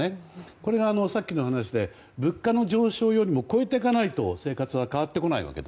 これがさっきの話で物価の上昇よりも超えていかないと生活は変わってこないわけで。